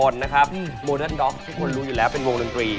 รู้อยู่แล้วเป็นวงลงกรี